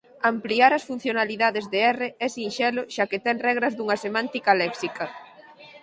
Ampliar as funcionalidade de R é sinxelo xa que ten regras dunha semántica léxica.